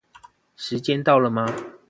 時間到了嗎